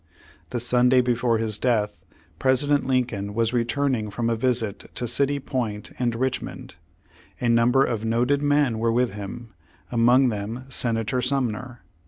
The Sunday before his death President Lincoln was returning from a visit to City Point and Rich mond. A number of noted men were with him, among them Senator Sumner.